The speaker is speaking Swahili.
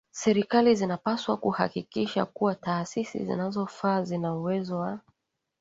Serikali zinapaswa kuhakikisha kuwa taasisi zinazofaa zina uwezo wa